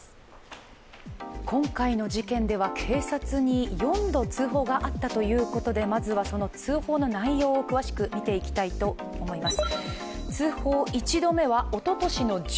今回の事件では、警察に４度通報があったということで、まずはその通報の内容を詳しく見ていきたいと思います。